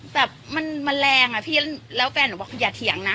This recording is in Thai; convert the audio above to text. แบบมันแรงอ่ะพี่แล้วแฟนหนูบอกอย่าเถียงนะ